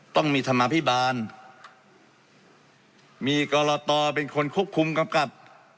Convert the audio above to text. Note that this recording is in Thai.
ต้องมีธรรมาภิบาลมีกรตเป็นคนควบคุมกำกับ